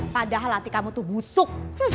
padahal hati kamu tuh busuk